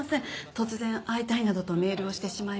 突然会いたいなどとメールをしてしまいまして。